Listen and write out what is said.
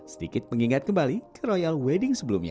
sedikit pengingat kembali ke royal wedding sebelumnya